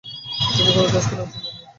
তিনি কোন টেস্ট খেলায় অংশ নেননি।